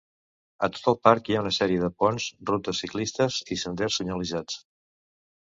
A tot el parc hi ha una sèrie de ponts, rutes ciclistes i senders senyalitzats.